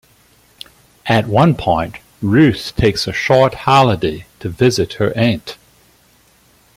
At one point, Ruth takes a short holiday to visit her Aunt.